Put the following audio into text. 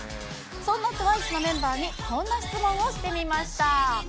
そんなＴＷＩＣＥのメンバーにこんな質問をしてみました。